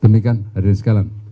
demikian hadirin sekalian